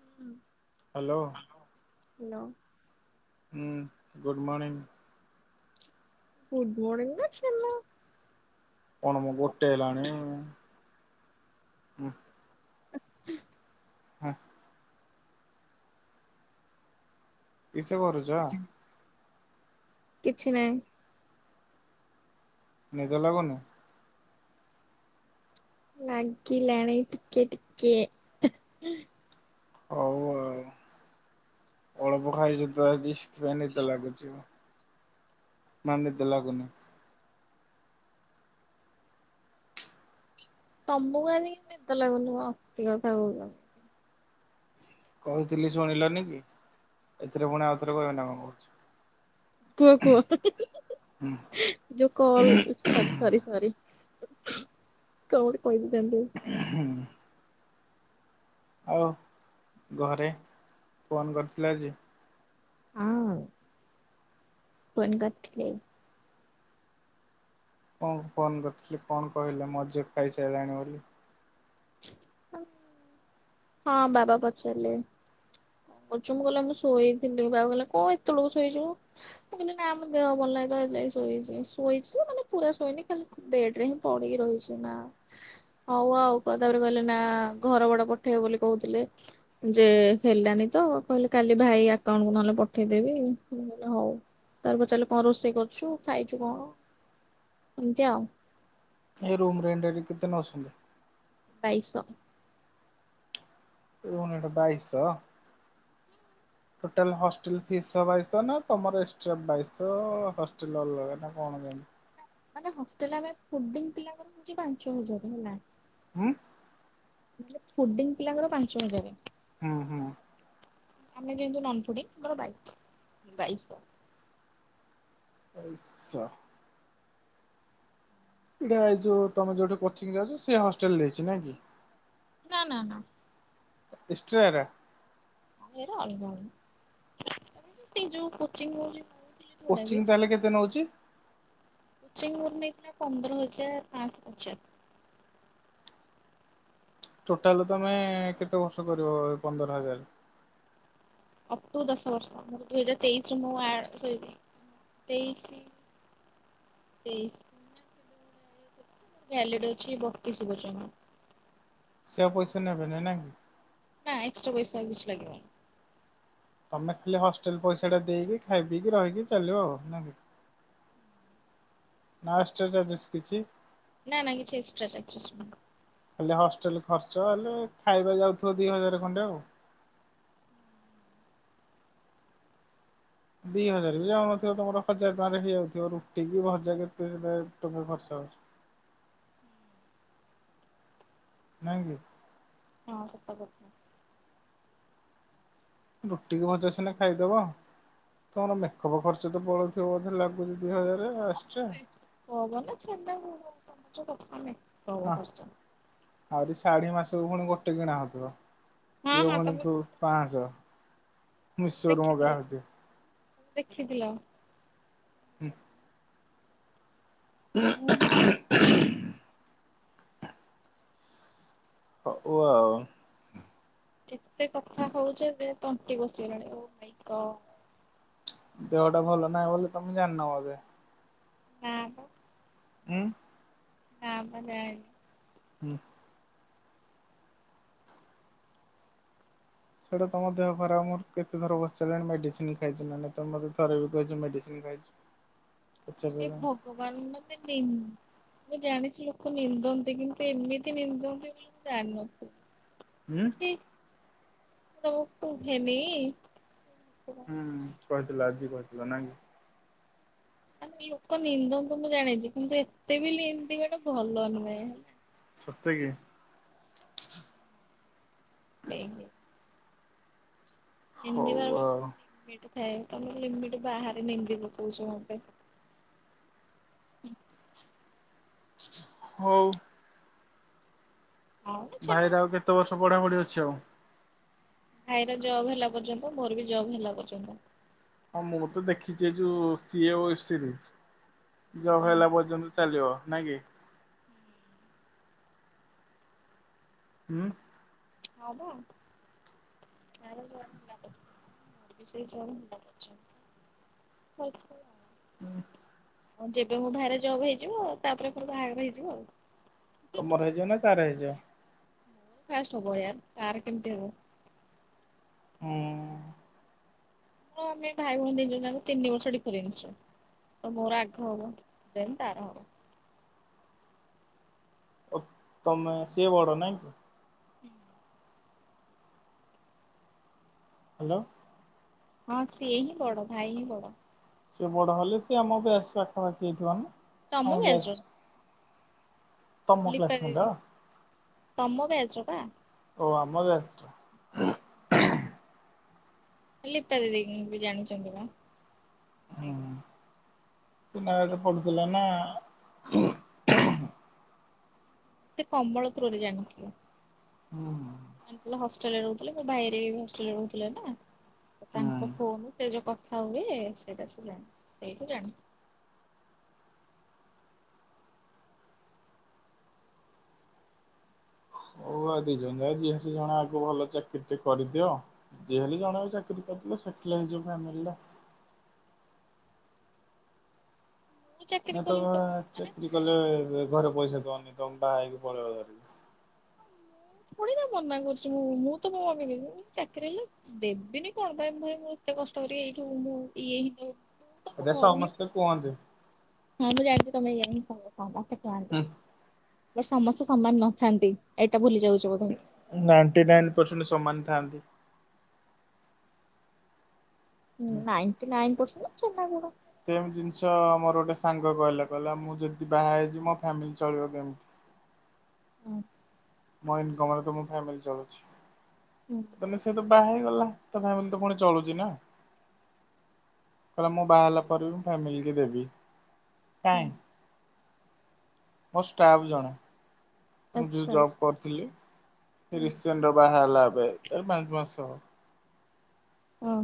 ହୁଁ hello hello ହୁଁ, good morning good morning ନା ଛେନା କଣ ମ ଗୋଟେ ହେଲାଣି। ହୁଁ [unintelligible] ହଁ ଅଁ କିସ କରୁଛ? କିଛି ନାହିଁ। ନିଦ ଲାଗୁନି? ନାଗିଲାଣି ଟିକେ ଟିକେ ହଉ ଆଉ ଅଳପ ଖାଇଚି ତ ଆଜି ସିଥିପାଇଁ ନିଦ ଲାଗୁଚି ଆଉ ମାନେ ନିଦ ଲାଗୁନି। ତମକୁ ଆଜି କି ନିଦ ଲାଗୁନି ମ? ଅତି କଥା କହୁଚ? କହିଥିଲି ଶୁଣିଲନି କି, ଏଥିରେ ପୁଣି ଆଉ ଥରେ କହିବ ନା କଣ କହୁଛ? କୁହ ହୁଁ କୁହ ଯୋଉ କଲ୍ ସରି ସରି ସରି କଁ ଗୋଟେ କହିବି ଜାଣିନି ଆଉ ହୁଁ ଆଉ ଘରେ ଫୋନ୍ କରିଥିଲେ ଆଜି? ହଁ ଫୋନ୍ କରଥିଲେ। କଣ ଫୋନ କରିଥିଲେ କଣ କହିଲେ, ମୋ ଝିଅ ଖାଇସାଇଲାଣି ବୋଲି। [inaudible] ହଁ ବାବା ପଚାରିଲେ? [unintelligible] ଶୋଇଥିଲି ବାବା କହିଲା କଁ ଏତେବେଳକୁ ଶୋଇଚୁ ମ? ମୁଁ କହିଲି ନା ମୋ ଦେହ ଭଲ ନାହିଁ ତ ହେଥି ଲାଗିଶୋଇଚି, ଶୋଇଛି ମାନେ ପୁରା ଶୋଇନି ଖାଲି ବେଡ ରେ ହିଁ ପଡିକି ରହିଛି ନା, ହଉ ଆଉ କ ତାପରେ କହିଲେ ନା, ଘର ଭଡ଼ା ପଠେଇବ ବୋଲି କହୁଥିଲେ। ଯେ ହେଲାନି ତ କହିଲେ କାଲି ଭାଇ ଆକାଉଣ୍ଟକୁ ନହେଲେ ପଠେଇଦେବି, ମୁଁ କହିଲି ହଉ ତା ପରେ ପଚାରିଲେ କଣ ରୋଷେଇ କରୁଛୁ ଖାଇଛୁ କଣ ଏମିତିଆ ଆଉ। ଏ ରୁମ ରେଣ୍ଟ ଏଠି କେତେ ନଉସଛନ୍ତି? ବାଇଶହ। ରୁମ୍ ରେଣ୍ଟ ବାଇଶହ? ଟୋଟାଲ ହଷ୍ଟେଲ ଫିସ୍ ସହ ବାଇଶହ ନା ତମର ଏଷ୍ଟ୍ରା ବାଇଶ ହଷ୍ଟେଲ ଅଲଗା ନା କଣ କେମିତି? ମାନେ ହଷ୍ଟେଲ ଆମେ ଫୁଡିଙ୍ଗ ପିଲାଙ୍କର ହଉଛି ପାଞ୍ଚ ହଜାର ହେଲା ହୁଁ ମତଲବ ଫୁଡିଂ ପିଲାଙ୍କର ପାଞ୍ଚ ହଜାରେ। ହୁଁ ହୁଁ। ଆମେ ଯେହେତୁ ନନ ଫୁଡ଼ିଙ୍ଗ ଆମର ବାଇଶ। ବାଇଶ। ଏଇଟା ଏଇ ଯୋଉ ତମେ ଯୋଉଠି କୋଚିଂ ଯାଉଛ ସେ ହଷ୍ଟେଲ ଦେଇଛି ନାଇଁ କି? ନା ନା ନା। ଏକ୍ସଷ୍ଟ୍ରା ଏରା। ଆମେ ଏରା ଅଲଗା [unintelligible] ତାପରେ ବି ସେଇ ଯୋଉ କୋଚିଂ ନଉଚି ନଉଥିଲେ କୋଚିଂ ତାହେଲେ କେତେ ନଉଛି? କୋଚିଂ ମୋର ନେଇଥିଲା ପନ୍ଦର ହଜାର ପାଁଶହ ପଚାଶ। ଟୋଟାଲ ତମେ କେତେ ବର୍ଷ କରିବ ଏ ପନ୍ଦର ହଜାର? ଅପ ଟୁ ଦଶ ବର୍ଷ ମୋର ଦୁଇ ହଜାର ତେଇଶରେ ମୁଁ ଆଡ୍ ସରି [unintelligible] ତେଇଶି ତେଇଶି ନା କେବେ ଗୋଟେ ଇଏ କରିଥିଲି ମୋର ଭ୍ୟାଲିଡି ଅଛି ବତିଶି ପର୍ଯ୍ୟନ୍ତ। ସେ ଆଉ ପଇସା ନେବେ ନାଇ ନାଇଁ କି? ନା ଏକ୍ସଟ୍ରା ପଇସା ଆଉ କିଛି ଲାଗିବନି। ତମେ ଖାଲି ହଷ୍ଟେଲ ପଇସାଟା ଦେଇକି ଖାଇ ପିଇକି ରହିକି ଚାଲିବ ଆଉ ନାଁ କି! ନା ଏକ୍ସଟ୍ରା ଚର୍ଜେସ କିଛି? ନା ନାଇଁ କିଛି ଏକ୍ସଟ୍ରା ଚର୍ଜେସ ନାହିଁ। ହେଲେ ହଷ୍ଟେଲ ଖର୍ଚ୍ଚ ହେଲେ ଖାଇବା ଯାଉଥିବ ଦି ହଜାର ଖଣ୍ଡେ ଆଉ। ଦି ହଜାରେ ବି ଯାଉନଥିବ ତମର ହଜାର ଟଙ୍କାରେ ହେଇଯାଉଥିବ ରୁଟି କି ଭଜା କେତେ ଟଙ୍କା ଖର୍ଚ୍ଚ ହଉଛି? ନାଇଁ କି? ହଁ ସତ କଥା। ରୁଟିକୁ ଭଜା ସିନା ଖାଇଦବ ତମର ମେକଅପ୍ ଖର୍ଚ୍ଚ ତ ପଳୁଉଥିବ ବୋଧେ ଲାଗୁଛି ଦି ହଜାରେ ଏକ୍ସଟ୍ରା ମେକ୍ଅପ୍ ନା ଛେନାଗୁଡ ତମର ଯୋଉ କଥା ମେକ୍ଅପ୍ ଖର୍ଚ୍ଚ। ଆଉରି ଶାଢୀ ମାସକୁ ପୁଣି ଗୋଟେ କିଣା ହଉଥିବ ହଁ ସିଏ ହଁ ତମେ ପୁଣି ତମେ ଦୁ ପାଁଶହ। ତମେ ଦେଖିଥିଲ, ତମେ ଦେଖିଥିଲ? ହୁଁ। ମୁଁ ହଉ ଆଉ। କେତେ କଥା ହଉଛ ଯେ ତଣ୍ଟି ବସିଗଲାଣି ଓ ମାଇଁ ଗଡ୍। ଦେହଟା ଭଲ ନାହିଁ ବୋଲି ତମେ ଜାଣିନ ବୋଧେ? ନାଁ ମ। ହୁଁ। ନାଁ ମନେ ନାଇଁ। ହୁଁ। ସେଇଟା ତମ ଦେହ ଖରାପ ମୋର କେତେଥର ପଚାରିଲାଣି ମେଡ଼ିସିନି ଖାଇଛି ନା ନାଇଁ ତମ ମୋତେ ଥରେ ବି କହିଛ ମେଡ଼ିସିନ ଖାଇଛ। ଏ ଭଗବାନ ମାନେ ନିନ୍ଦ୍ ମୁଁ ଜାଣିଛି ଲୋକ ନିନ୍ଦନ୍ତି କିନ୍ତୁ ଏମିତି ନିନ୍ଦନ୍ତି ବୋଲି ମୁଁ ଜାଣିନଥିଲି। ହୁଁ ଚ୍ଛି ମୁଁ ତମକୁ କୁହେନି ହେ ଭଗବାନ ହୁଁ କହିଥିଲ ଆଜି କହିଥିଲ ନାଇଁ କି। ମାନେ ଲୋକ ନିନ୍ଦନ୍ତି ମୁଁ ଜାଣିଛି କିନ୍ତୁ ଏତେ ବି ଲିନ୍ଦିବାଟା ଭଲ ନୁହେଁ ହେଲା। ସତେ କି? [unintelligible] ନିନ୍ଦି ହଉ ବାର ଆଉ ଲମିଟ ଥାଏ ତମେ ଲିମିଟ ବାହାରେ ନିନ୍ଦି ପକଉଛ ମୋତେ। ହଉ। ହଉ ଭାଇ ଛେନା ର ଆଉ କେତେ ବର୍ଷ ପଢ଼ାପଢି ଅଛି ଆଉ। ଭାଇର ଜବ୍ ହେଲା ପର୍ଯ୍ୟନ୍ତ, ମୋର ବି ଜବ୍ ହେଲା ପର୍ଯ୍ୟନ୍ତ। ହଁ, ମୁଁ ତ ଦେଖିଛି ଏ ଯୋଉ ସିଏଓବ୍ ସିରିଜି ଜବ ହୁଁ। ହେଲା ପର୍ଯ୍ୟନ୍ତ ଚାଲିବ ନା କି? ହୁଁ। ହଁ ବା। ତାର ଜବ୍ ହେଲା ପର୍ଯ୍ୟନ୍ତ, ମୋର ବି ସେଇ ଜବ୍ ହେଲା ପର୍ଯ୍ୟନ୍ତ। [unintelligible] ହୁଁ। ଯେବେ ମୋ ଭାଇ ର ଜବ ହେଇଯିବ ତାପରେ ପରେ ପରେ ବାହାଘର ହେଇଯିବ ଆଉ। ତମର ହେଇଯିବ ନା ତାର ହେଇଯିବ। ମୋର ଫାଷ୍ଟ ହବ ୟାର ତାର କେମିତି ହବ? ହୁଁ। ମୁଁ ଆମେ ଭାଇ ଭଉଣୀ ଦିଜଣ ଯାକ ତିନି ବର୍ଷ ଡିଫରେନ୍ସ ର। ତ ମୋର ଆଗ ହବ ଦେନ୍ ତାର ହବ। ତମେ ସିଏ ବଡ଼ ନା କି? ହାଲୋ। ହଁ ସିଏ ହିଁ ବଡ, ଭାଇ ହିଁ ବଡ। ସିଏ ବଡ଼ ହେଲେ ସିଏ ଆମ ଵ୍ୟାଚ୍ ପାଖାପାଖି ହେଇଥିବ ନା? ଆମ ତମ ଵ୍ୟାଚ୍ ର। ବ୍ୟାଚ ତମ ଲିପା କ୍ଲାସମେଟ ଦିଦି ତମ ଵ୍ୟାଚ୍ ର ପା। ଓ ଆମ ଵ୍ୟାଚ୍ ର। ଲିପା ଦିଦିଙ୍କି ବି ଜାଣିଛନ୍ତି ବା। ହଁୁ ଭାଇକୁ। ସେ ନୟାଗଡ ପଢ଼ୁଥିଲା ନା? ସେ କମଳ ଥ୍ରୋରେ ଜାଣିଥିବ। ହୁଁ। ହଷ୍ଟେଲରେ ରହୁଥିଲେ ମୋ ଭାଇ ହେରିକା ବି ହଷ୍ଟେଲରେ ରହୁଥିଲେ ନା ହୁଁ ତାଙ୍କ ଫୋନ ସେ ଯୋଉ କଥା ହୁଏ ସେଇଟା ସେ ଜାଣି ସେଇଠୁ ଜାଣି ହୁଅ ଦିଜଣ ଯାକ ଆଗ ଭଲ ଚାକିରି ଟେ କରିଦିଅ। ଯିଏହେଲେ ଜଣେ ଚାକିରି କରିଦେଲେ ସେଟେଲ୍ ହେଇଯିବ ଫ୍ୟାମିଲି ଟା। ମୁଁ ନା ଚାକିରି କଲି ତ ତମେ ଚାକିରି କଲେ ଘରେ ପଇସା ଦବନି ତମ ବାହା ହେଇକି ପଳେଇବ ଧରିକି। ଥୋଡ଼ି ନା ମନା କରୁଛି ମୁଁ, ମୁଁ ତ ମମି କୁ ଚାକିରି ହେଲେ ଦେବିନି କଣ ପାଇଁ ମୁ ଭାଇ ମୁଁ ଏତେ କଷ୍ଟ କରି ଏଇଠୁ ମୁଁ ଇଏ ହିଁ ମୁଁ ତ ମୋ ଏରା ଘରୁ ହିଁ ସମସ୍ତେ କୁହନ୍ତି। ହଁ ମୁଁ ବି ଜାଣିଛି ତମେ ବି ଏୟା ହିଁ କହିବ ସମସ୍ତେ କୁହନ୍ତି। ହେଲେ ସମସ୍ତେ ସମାନ ନଥାନ୍ତି ଏଇଟା ଭୁଲି ଯାଉଛ ବୋଧେ। ନାଇଣ୍ଟି ନାଇନ ପରସେଣ୍ଟ ସମାନ ଥାଆନ୍ତି। ନାଇଣ୍ଟି ନାଇନ ପରସେଣ୍ଟ ନା ଛେନା ଗୁଡ଼। ସେମ ଜିନିଷ ମୋର ଗୋଟେ ସାଙ୍ଗ କହିଲା କହିଲା ମୁଁ ଯଦି ବାହା ହେଇଛିି ମୋ ଫ୍ୟାମିଲି ଚଳିବ କେମିତି? ହୁଁ। ମୋ ଇନ୍ କମରେ ତ ମୋ ଫ୍ୟାମିଲି ଚଳୁଛି। ହୁଁ। ମାନେ ସେତ ବାହା ହେଇଗଲା ତା ଫ୍ୟାମିଲି ତ ପୁଣି ଚଳୁଛି ନା? କହିଲା ମୁଁ ବାହା ହେଲା ପରେ ବି ମୁଁ ଫ୍ୟାମିଲ କୁ ଦେବି। ହୁଁ କାଇଁ? ମୋ ଷ୍ଟାଫ ଜଣେ। ମୁଁ ଯୋଉ ଆଚ୍ଛା ଜବ ଆଚ୍ଛା। କରିଥିଲି ରିସେଣ୍ଟ ବାହାହେଲା ଏବେ ଏଇ ପାଞ୍ଚ ମାସ ହବ। ଓହୋ।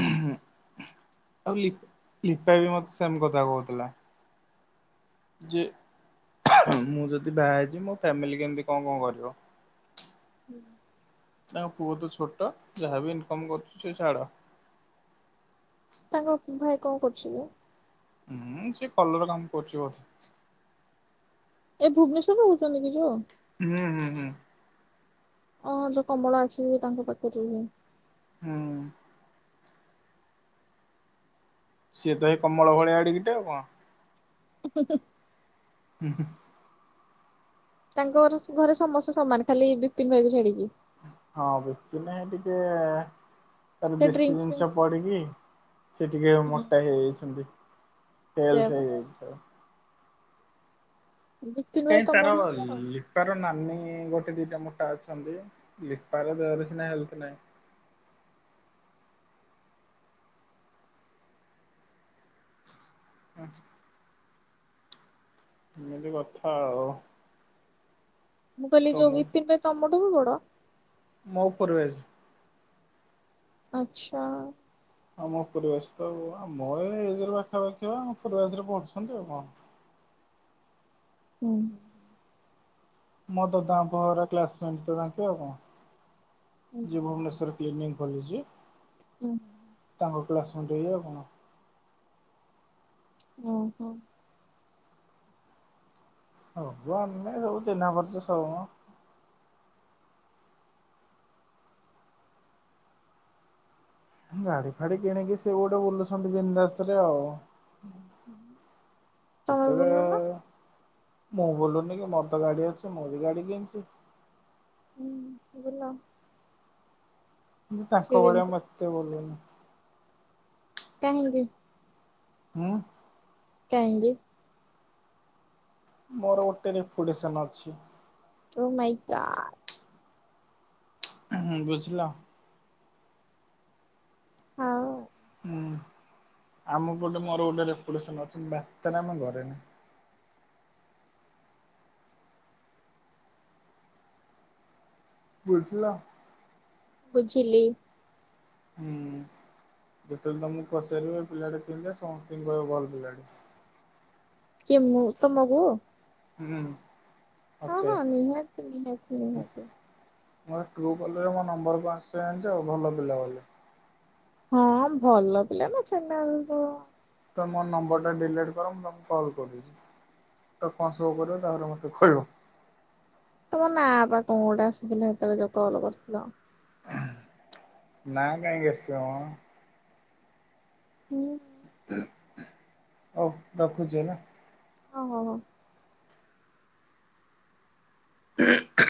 ଆଉ ଲିପ୍ ଲିପା ବି ମତେ ସେମ୍ କଥା କୋହୁଥିଲା। ଯେ ମୁଁ ଯଦି ବାହା ହେଇଯିବି ମୋ ଫ୍ୟାମିଲି କେମିତି କଁ କଁ କରିବ। ହୁଁ। ତାଙ୍କ ପୁଅ ତ ଛୋଟ ଯାହାବି ଇନକମ କରୁଚି ସେ ଛାଡ। ତାଙ୍କ ଭାଇ କଁ କରୁଚି କି? ଉଁ ସେ କଲର କାମ କରୁଚି ବୋଧେ। ଏ ଭୁବନେଶ୍ଵରରେ ରୋହୁଚନ୍ତି କି ଯୋଉ? ହୁଁ ହୁଁ ହୁଁ। ଅଁ ଯୋଉ କମଳା ଅଛି ତାଙ୍କ [unintelligible] ହୁଁ। ସିଏ ତ ହେଇ କମଳ ଭଳିଆ ଏଡିକିଟେ ଆଉ କଣ। [unintelligible] ହୁଁ ହୁଁ। ତାଙ୍କ ଘର ଘରେ ସମସ୍ତେ ସମାନ ଖାଲି ବିପିନ ଭାଇକୁ ଛାଡିକି। ହଁ ବିପିନ୍ ଭାଇ ଟିକେ ତାର ସେ ଦେଶୀ ଡ୍ରିଙ୍କସ ଜିନିଷ ଫିଙ୍କସ ପଡିକି। ସେ ଟିକେ ହୁଁ ମୋଟା ହେଇଯାଇଛନ୍ତି ହେଲ୍ଥ ସେୟାପା ହେଇଯାଇଛି ସ ବିପିନ ଭାଇ କାଇଁ ତାର ତମଠୁ ବି ବଡ? ଇଏ ତାର ନାନୀ ଗୋଟେ ଦିଟା ମୋଟା ଅଛନ୍ତି ଲିପାର ଦେହର ସିନା ହେଲ୍ଥ ନାହିଁ। ହୁଁ। ଏମିତି କଥା ଆଉ। ମୁଁ କହିଲି ଯୋଉ ତମ ବିପିନ ଭାଇ ତମଠୁ ବି ବଡ। ମୋ ଓପୋରୋ ବ୍ୟାଚ୍। ଆଚ୍ଛା। ଆମ ଓପୋରୋ ବ୍ୟାଚ୍ ତ ଆଉ ଆମ ଏଜ୍ ର ପାଖାପାଖି ହବ ଆମ ଅପୋରୋ ବ୍ୟାଚ୍ ରେ ପଢୁଛନ୍ତି ଆଉ କଣ। ହୁଁ। ମୋ ଦଦାଙ୍କ ପୁଅ ଘର କ୍ଲାସମେଟ ତ ତାଙ୍କେ ଆଉ କଁ ହୁଁ। ଯିଏ ଭୁବନେଶ୍ୱରରେ କ୍ଲିନିକ୍ ଖୋଲିଛି। ହୁଁ। ତାଙ୍କ କ୍ଲାସମେଟ୍ ଇଏ ଆଉ କଣ। ଓହୋ। ସବୁ ଆମେ ସବୁ ଚିହ୍ନା ପରିଚ ସବୁମ। ଗାଡି ଫାଡି କିଣିକି ସେ ଗୋଟେ ବୁଲୁଛନ୍ତି ବିନ୍ଦ ବିନ୍ଦାସରେ ଆଉ। ତମେ ବୁଲ ନା ଯେତେବେଳେ ମୁଁ ବୁଲୁନି କି ମୋର ତ ଗାଡି ଅଛି ମୁଁ ବି ଗାଡି କିଣିଚି। ହୁଁ ବୁଲ। କିନ୍ତୁ ସିଏ ତାଙ୍କ ଭଳିଆ ଯେମିତି ମୁଁ ଏତେ ବୁଲୁନି। କାହିଁକି। ଉଁ। କାହିଁକି। ମୋରୋ ଗୋଟେ ରେପୁଟେଶନ ଅଛି। ଓ ମାଇଁ ଗ ଉଁହୁଁ ବୁଝିଲ। ହଉ। ହୁଁ ଆମ ପଟେ ମୋରୋ ଗୋଟେ ରେପୁଟେଶନ୍ ଅଛି ମୁଁ ବାତେରାମୀ କରେନି। ବୁଝିଲ। ବୁଝିଲି। ହୁଁ ଯେତେବେଳେ ତମକୁ ପଚାରିବେ ଏଇ ପିଲାଟା କେମିତିଆ ସମସ୍ତିଙ୍କି କହିବ ଭଲ ପିଲାଟେ। କିଏ ମୁଁ ତମକୁ। ହୁଁ। ହଁ ମତେ ହଁ ନିହାତି ନିହାତି ନିହାତି। ମୋର ଟ୍ରୁ କଲରେ ମୋ ନମ୍ବର କଁ ଆସୁଛି ଜଣିଛ ଭଲ ପିଲା ବୋଲି। ହଁ ଭଲ ପିଲା ନା ଛେନା ହେଇଥିବ। ତମେ ମୋ ନମ୍ବର ଟା ଡିଲିଟ୍ କର ମୁଁ ତମକୁ କଲ୍ କରୁଚି। ତ କଣ ମୋ କରିବ ତାପରେ ମୋତେ ଖଇବ। ତମ ନା ବା କଣ ଗୋଟେ ଆସିୁଥିଲା ସେତବେଳେ ଯୋଉ କଲ କରିଥିଲ। ନାଁ କାହିଁକି ଆସିବ ମ। ହୁଁ। ହଉ ରଖୁଚି ହେଲା। ହଁ ହଉ ହଉ। ହ